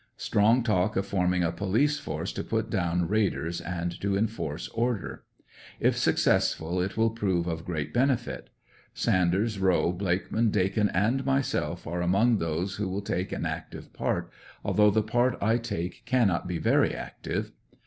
Strong talk of forming a police force to put down raiders and to enforce order. If successful it will prove of great benefit. Sanders, Rowe, Blakeman, Dakin and myself are among those who will take an active part, although the part I take cannot be very active.